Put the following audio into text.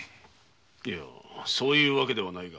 いやそういうわけではないが。